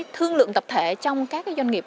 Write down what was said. thương lượng tập thể trong các doanh nghiệp